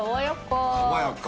爽やか！